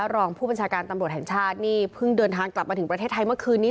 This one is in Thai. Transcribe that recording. รองผู้บัญชาการตำรวจแห่งชาตินี่เพิ่งเดินทางกลับมาถึงประเทศไทยเมื่อคืนนี้